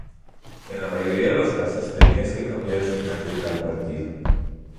En la mayoría de los casos tenías que cambiar el final de tal partido.